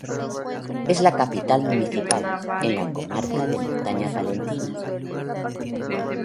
Es la capital municipal, en la comarca de Montaña Palentina.